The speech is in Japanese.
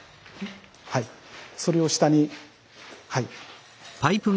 はいそれを下に。